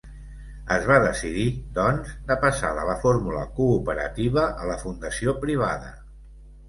Es va decidir, doncs, de passar de la fórmula cooperativa a la fundació privada.